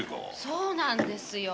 そうなんですよ。